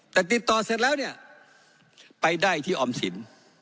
แต่ติดต่อเสร็จแล้วเนี่ยไปได้ที่ออมสิน